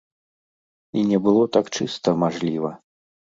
І не было так чыста, мажліва.